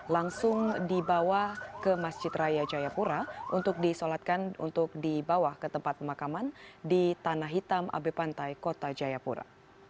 langsung dibawa ke masjid raya jayapura untuk disolatkan untuk dibawa ke tempat pemakaman di tanah hitam abe pantai kota jayapura